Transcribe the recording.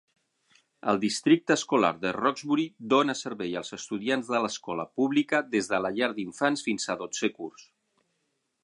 El districte escolar de Roxbury dóna servei als estudiants de l'escola pública des de la llar d'infants fins a dotzè curs.